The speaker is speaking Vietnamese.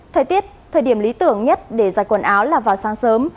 thời tiết thời điểm lý tưởng nhất để giải quần áo là vào sáng sớm